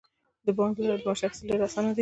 د بانک له لارې د معاش اخیستل ډیر اسانه دي.